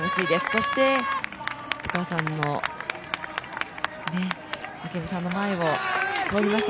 そしてお母さんの明美さんの前を通りました。